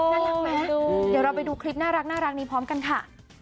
น่ารักไหมเดี๋ยวเราไปดูคลิปน่ารักนี้พร้อมกันค่ะ